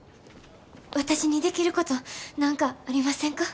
私にできること何かありませんか。